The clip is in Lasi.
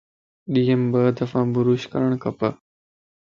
ڏينھن ٻه دفع بروش ڪرڻ کپ